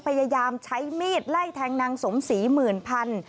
พยายามใช้มีดไล่แทงนางสมศรีหมื่นพัน